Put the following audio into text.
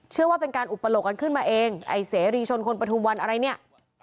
เชื่อว่าเป็นการอุปโลกกันขึ้นมาเองไอ้เสรีชนคนปฐุมวันอะไรเนี่ย